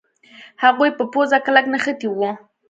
هغوی په پوزه کلک نښتي وو.